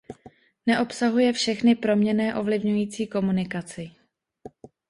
Neobsahuje všechny proměnné ovlivňující komunikaci.